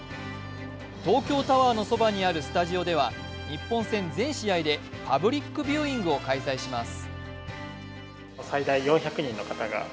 東京タワーのそばにあるスタジオでは日本戦全試合でパブリックビューイングを開催します。